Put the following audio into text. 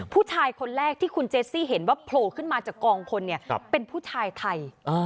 ผู้ชายคนแรกที่คุณเจสซี่เห็นว่าโผล่ขึ้นมาจากกองคนเนี่ยเป็นผู้ชายไทย